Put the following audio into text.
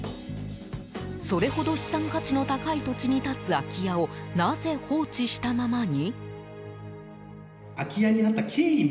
それほど資産価値の高い土地に建つ、空き家をなぜ、放置したままに？